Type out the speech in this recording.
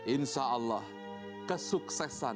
insyaallah kesuksesan keberhasilan